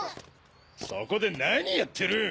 そこで何やってる！？